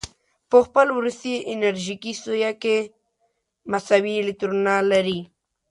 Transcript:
په خپل وروستي انرژیکي سویه کې مساوي الکترونونه لري.